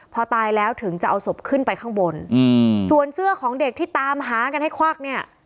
พอตายแล้วถึงจะเอาศพขึ้นไปข้างบนอืมส่วนเสื้อของเด็กที่ตามหากันให้ควักเนี่ย